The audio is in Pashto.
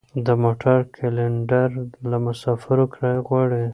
د موټر کلینډر له مسافرو کرایه غواړي.